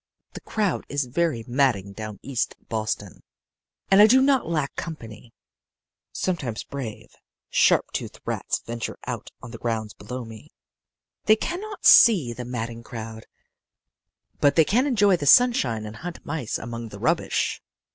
The crowd is very madding down around East Boston. And I do not lack company sometimes brave, sharp toothed rats venture out on the ground below me. They can not see the madding crowd, but they can enjoy the sunshine and hunt mice among the rubbish.